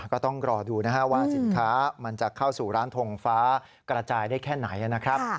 ก็ต้องรอดูนะฮะว่าสินค้ามันจะเข้าสู่ร้านทงฟ้ากระจายได้แค่ไหนนะครับ